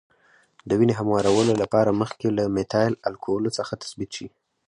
د وینې هموارولو لپاره مخکې له میتایل الکولو څخه تثبیت شي.